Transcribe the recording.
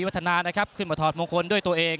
จากเขตทวีวัฒนานะครับขึ้นมาถอดมงคลด้วยตัวเอง